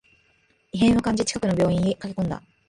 異変を感じ、近くの病院に駆けこんだ